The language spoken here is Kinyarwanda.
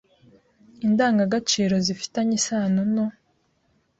Indangagaciro zifi tanye isano no